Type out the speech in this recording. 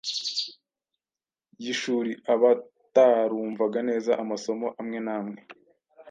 yishuri. Abatarumvaga neza amasomo amwe n’amwe